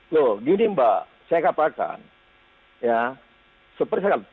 loh gini mbak saya katakan ya seperti saya katakan